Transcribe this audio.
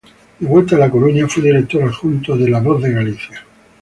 De vuelta a La Coruña, fue director adjunto de "La Voz de Galicia".